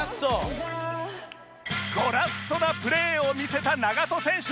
ゴラッソなプレーを見せた永戸選手